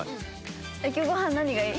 今日ご飯何がいい？